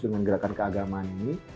dengan gerakan keagamaan ini